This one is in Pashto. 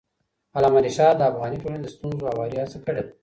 علامه رشاد د افغاني ټولنې د ستونزو هواري هڅه کړې ده.